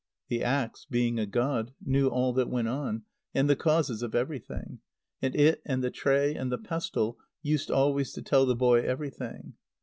The axe, being a god, knew all that went on and the causes of everything; and it and the tray and the pestle used always to tell the boy everything.